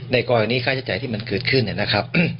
กรณีนี้ค่าใช้จ่ายที่มันเกิดขึ้นนะครับ